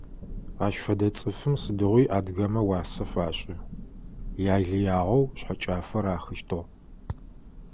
Ащ фэдэ цӀыфым сыдигъуи адыгэмэ уасэ фашӀы, илыягъэу шъхьэкӀафэ рахыщтыгь.